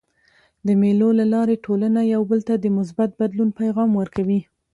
د مېلو له لاري ټولنه یو بل ته د مثبت بدلون پیغام ورکوي.